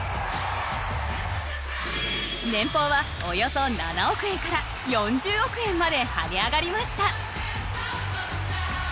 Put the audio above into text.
年俸はおよそ７億円から４０億円まで跳ね上がりました。